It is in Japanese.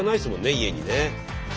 家にね。